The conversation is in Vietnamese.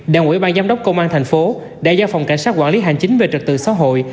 đảng quỹ bang giám đốc công an thành phố đã giao phòng cảnh sát quản lý hành chính về trật tự xã hội